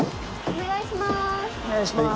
お願いします。